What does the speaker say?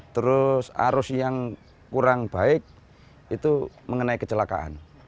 terus arus yang kurang baik itu mengenai kecelakaan